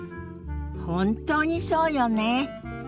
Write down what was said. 本当にそうよね。